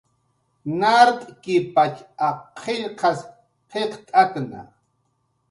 Nart'kipatx ak qillqas qillqt'atna